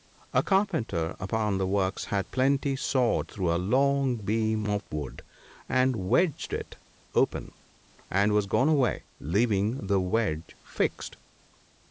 A carpenter upon the works had partly sawed through a long beam of wood, and wedged it open, and was gone away, leaving the wedge fixed.